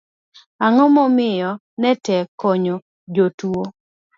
ang'o momiyo ne tek konyo jotuwo?